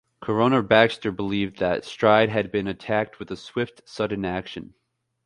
Coroner Baxter believed that Stride had been attacked with a swift, sudden action.